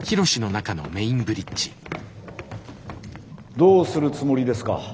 「どうするつもりですか？」。